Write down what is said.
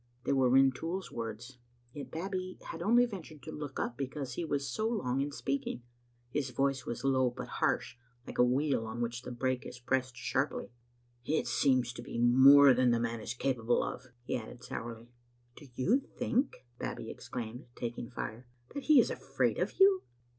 They were Rintoul's words. Yet Babbie had only ventured to look up because he was so long in speak ing. His voice was low but harsh, like a wheel on which the brake is pressed sharply. " It seems to be more than the man is capable of," he added sourly. " Do you think," Babbie exclaimed, taking fire, "that be is afraid of you?"